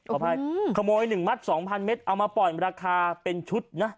ขออภัยขโมย๑มัด๒๐๐เมตรเอามาปล่อยราคาเป็นชุดนะ